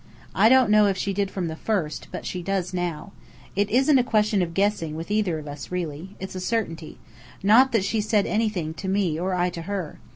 I don't know if she did from the first, but she does now. It isn't a question of "guessing" with either of us, really. It's a certainty. Not that she's said anything to me or I to her.